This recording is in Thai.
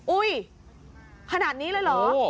อุ้ยขนาดนี้เลยเหรอ